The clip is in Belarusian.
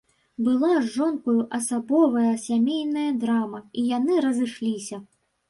Была з жонкаю асабовая сямейная драма, і яны разышліся.